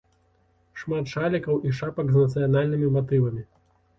Шмат шалікаў і шапак з нацыянальнымі матывамі.